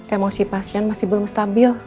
emosi pasien masih belum stabil